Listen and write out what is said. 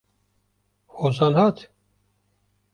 Hozan hat?